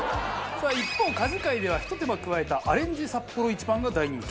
さあ一方家事界ではひと手間加えたアレンジサッポロ一番が大人気。